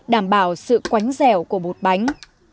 đảm bảo sự quánh dẻo của bột bánh